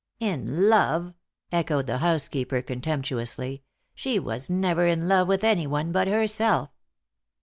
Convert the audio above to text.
"In love!" echoed the housekeeper contemptuously. "She was never in love with anyone but herself."